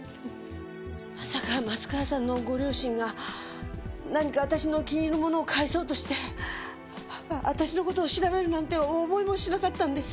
まさか松川さんのご両親が何か私の気に入るものを返そうとして私の事を調べるなんて思いもしなかったんです。